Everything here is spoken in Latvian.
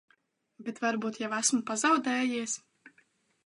Bet varbūt jau esmu pazaudējies?